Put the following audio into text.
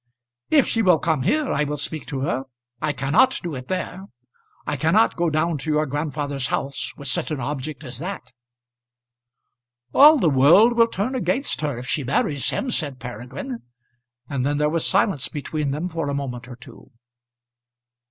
"If she will come here I will speak to her. I cannot do it there. I cannot go down to your grandfather's house with such an object as that." "All the world will turn against her if she marries him," said Peregrine. And then there was silence between them for a moment or two.